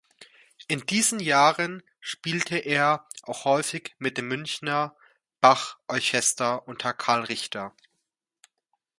In diesen Jahren spielte er auch häufig mit dem Münchener Bach-Orchester unter Karl Richter.